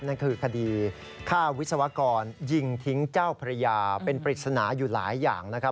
นั่นคือคดีฆ่าวิศวกรยิงทิ้งเจ้าพระยาเป็นปริศนาอยู่หลายอย่างนะครับ